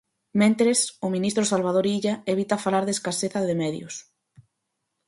Mentres, o ministro Salvador Illa evita falar de escaseza de medios.